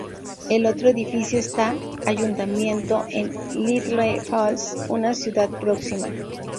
El otro edificio está ayuntamiento en Little Falls, una ciudad próxima.